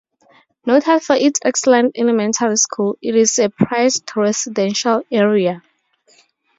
Noted for its excellent elementary school, it is a prized residential area.